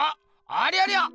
ありゃりゃ！